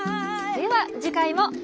では次回も。